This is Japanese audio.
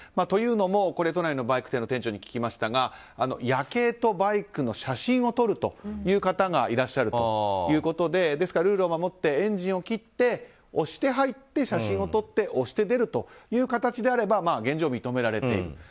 というのも、都内のバイク店の店長に聞きましたが夜景とバイクの写真を撮るという方がいらっしゃるということでルールを守ってエンジンを切って、押して入って写真を撮って押して出るという形であれば現状、認められている。